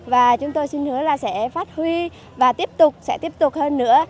và chúng tôi xin hứa là sẽ phát huy và tiếp tục sẽ tiếp tục hơn nữa